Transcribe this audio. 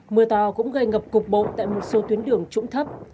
mưa to cũng gây ngập cục bộ tại một số tuyến đường trũng thấp